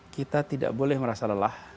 kita tidak boleh merasa lelah